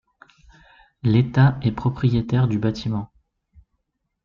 L'État est propriétaire du bâtiment.